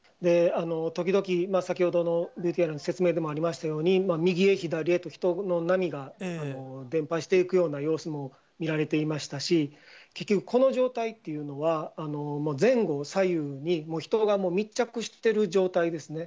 時々、先ほどのＶＴＲの説明でもありましたように、右へ左へと、人の波が伝ぱしていくような様子も見られていましたし、結局この状態というのは、前後左右に、人が密着してる状態ですね。